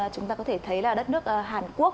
chúng ta có thể thấy là đất nước hàn quốc